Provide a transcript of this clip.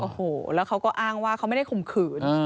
โอ้โหแล้วเขาก็อ้างว่าเขาไม่ได้ข่มขืน